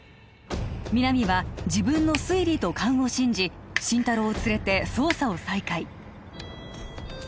皆実は自分の推理と勘を信じ心太朗を連れて捜査を再開